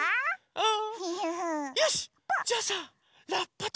うん！